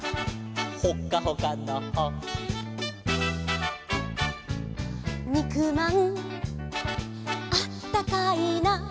「ほっかほかのほ」「にくまんあったかいな」